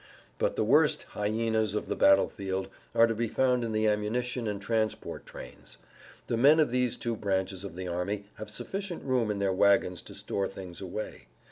But the worst "hyenas" of the battle field are to be found in the ammunition and transport trains. The men of these two branches of the army have sufficient room in their wagons to store things away.